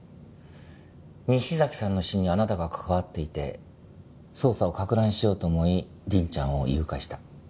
西崎さんの死にあなたが関わっていて捜査を攪乱しようと思い凛ちゃんを誘拐した。